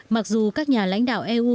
mặc dù các nhà lãnh đạo eu